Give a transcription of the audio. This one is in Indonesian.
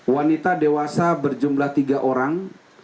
wanita dewasa berjumlah tiga orang